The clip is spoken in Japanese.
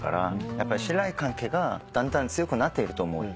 やっぱり信頼関係がだんだん強くなっていると思うんで。